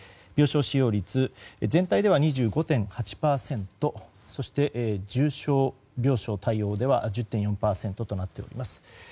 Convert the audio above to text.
病床使用率、全体では２５．８％そして重症病床対応では１０．４％となっております。